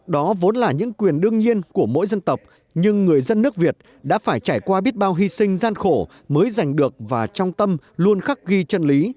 đó vốn là những quyền đương nhiên của mỗi dân tộc nhưng người dân nước việt đã phải trải qua biết bao hy sinh gian khổ mới giành được và trong tâm luôn khắc ghi chân lý